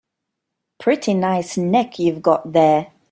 Pretty nice neck you've got there.